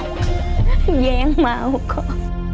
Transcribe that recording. dia yang mau kok